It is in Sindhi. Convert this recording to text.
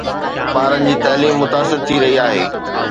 ٻارن جي تعليم متاثر ٿي رهي آهي